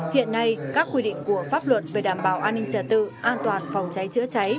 hiện nay các quy định của pháp luật về đảm bảo an ninh trật tự an toàn phòng cháy chữa cháy